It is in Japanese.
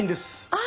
あ！